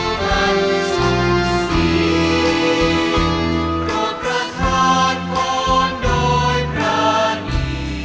ขอบความจากฝ่าให้บรรดาดวงคันสุขสิทธิ์